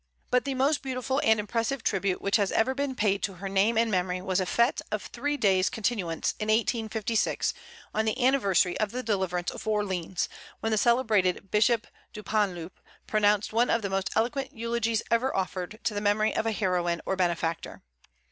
But the most beautiful and impressive tribute which has ever been paid to her name and memory was a fête of three days' continuance, in 1856, on the anniversary of the deliverance of Orleans, when the celebrated Bishop Dupanloup pronounced one of the most eloquent eulogies ever offered to the memory of a heroine or benefactor.